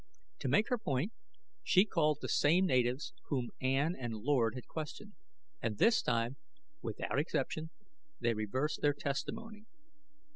To make her point, she called the same natives whom Ann and Lord had questioned, and this time, without exception, they reversed their testimony.